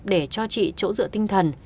để cho chị chỗ dựa tinh thần